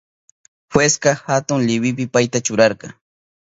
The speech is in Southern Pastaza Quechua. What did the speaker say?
Jueska atun liwipi payta churarka.